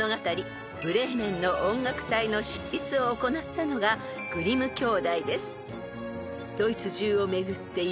［『ブレーメンの音楽隊』の執筆を行ったのがグリム兄弟です］